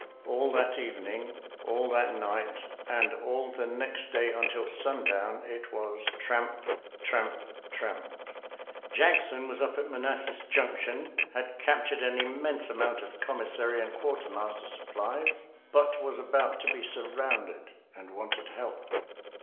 All that evening, all that night and all the next day until sundown, it was trampi — tramp — tramp. Jackson was up at Manassas Junction, had captured an im mense amount of commissary and quarter master supplies, but was about to be surrounded and wanted help.